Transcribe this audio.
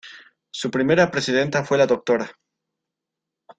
Su primera presidenta fue la Dra.